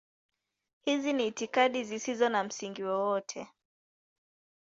Hizi ni itikadi zisizo na msingi wowote.